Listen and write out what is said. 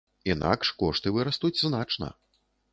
Інакш кошты вырастуць значна.